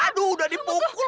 aduh udah dipukul